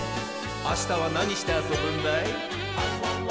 あしたはなにしてあそぶんだい？